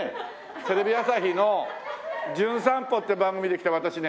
テレビ朝日の『じゅん散歩』って番組で来た私ね